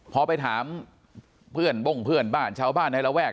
พอไปถามเพื่อนบ้งเพื่อนบ้านชาวบ้านในระแวก